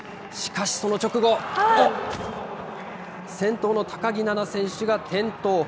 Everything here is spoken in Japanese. しかしその直後、先頭の高木菜那選手が転倒。